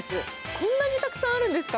こんなにたくさんあるんですか！